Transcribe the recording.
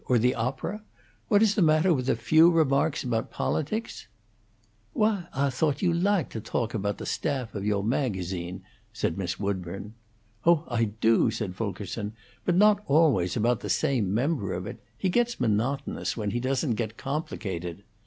Or the opera? What is the matter with a few remarks about politics?" "Why, Ah thoat you lahked to toak about the staff of yo' magazine," said Miss Woodburn. "Oh, I do!" said Fulkerson. "But not always about the same member of it. He gets monotonous, when he doesn't get complicated.